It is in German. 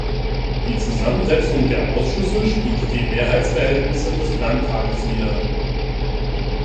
Die Zusammensetzung der Ausschüsse spiegelt die Mehrheitsverhältnisse des Landtages wider.